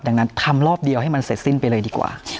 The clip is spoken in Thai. ดังนั้นทำรอบเดียวให้มันเสร็จสิ้นไปเลยดีกว่า